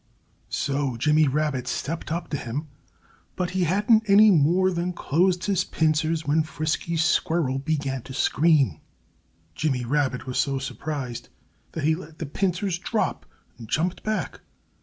So Jimmy Rabbit stepped up to him. But he hadn't any more than closed his pincers when Frisky Squirrel began to scream. Jimmy Rabbit was so surprised that he let the pincers drop and jumped back.